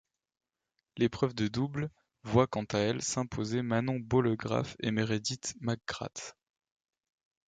L'épreuve de double voit quant à elle s'imposer Manon Bollegraf et Meredith McGrath.